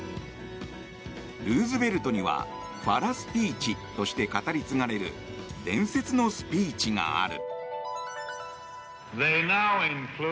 ルーズベルトにはファラ・スピーチとして語り継がれる伝説のスピーチがある。